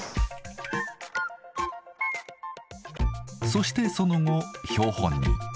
そしてその後標本に。